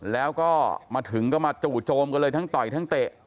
แล้วก็มาถึงก็มาจู่โจมกันเลยทั้งต่อยทั้งเตะ